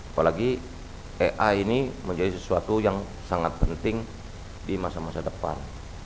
apalagi ai ini menjadi sesuatu yang sangat penting di masa masa depan